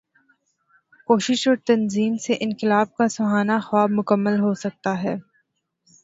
کوشش اور تنظیم سے انقلاب کا سہانا خواب مکمل ہو سکتا ہے۔